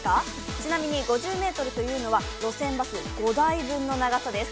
ちなみに５０ｍというのは路線バス５台分の長さです。